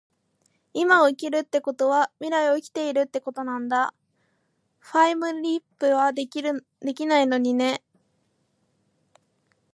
今を生きるってことは未来を生きているってことなんだ。タァイムリィプはできないのにね